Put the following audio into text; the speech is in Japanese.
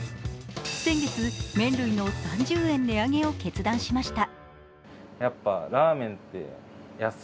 先月、麺類の３０円値上げを決断しました。